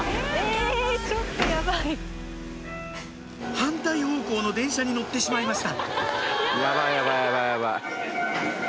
反対方向の電車に乗ってしまいました